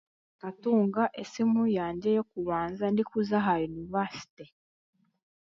Nkatunga esimu yangye y'okubanza ndikuza aha yunivasite